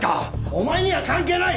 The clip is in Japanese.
お前には関係ない！